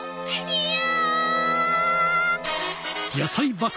いや！